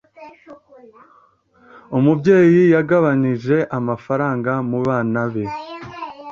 umubyeyi yagabanije amafaranga mu bana be.